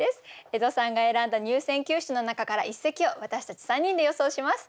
江戸さんが選んだ入選九首の中から一席を私たち３人で予想します。